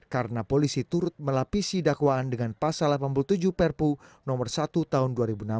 karena polisi turut melapisi dakwaan dengan pasal delapan puluh tujuh perpu no satu tahun dua ribu enam belas